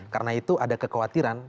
karena itu ada kekhawatiran